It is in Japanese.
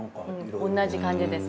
同じ感じです。